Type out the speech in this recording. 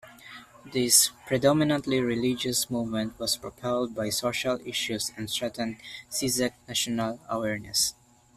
This predominantly religious movement was propelled by social issues and strengthened Czech national awareness.